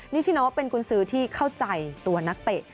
นิชิโนเป็นกุญสือที่เข้าใจตัวนักเตะ